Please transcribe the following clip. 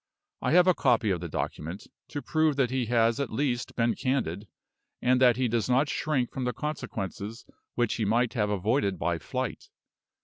I have a copy of the document, to prove that he has at least been candid, and that he does not shrink from consequences which he might have avoided by flight.